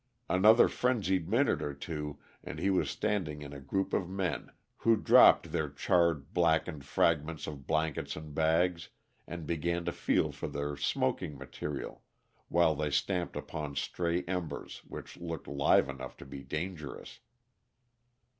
Another frenzied minute or two, and he was standing in a group of men, who dropped their charred, blackened fragments of blanket and bags, and began to feel for their smoking material, while they stamped upon stray embers which looked live enough to be dangerous.